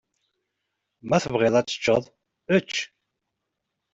Ma tebɣiḍ ad teččeḍ, ečč.